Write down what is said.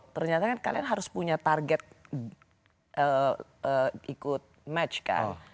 ternyata kan kalian harus punya target ikut match kan